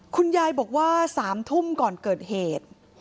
คุณยายบอกว่า๓ทุ่มก่อนเกิดเหตุ